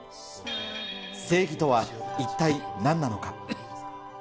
正義とは一体なんなのか。